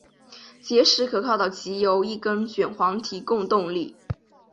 结实可靠的藉由一根卷簧提供动力。